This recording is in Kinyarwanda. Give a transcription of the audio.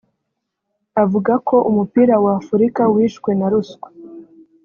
Avuga ko umupira w’Afurika wishwe na ruswa